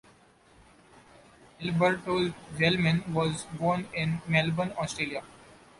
Alberto Zelman was born in Melbourne, Australia.